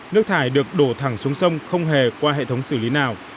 nước thải được đổ thẳng xuống sông không hề qua hệ thống xử lý nào